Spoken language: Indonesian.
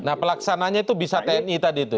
nah pelaksananya itu bisa tni tadi itu